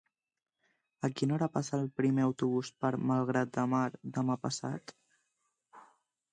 A quina hora passa el primer autobús per Malgrat de Mar demà passat?